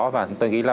và tôi nghĩ là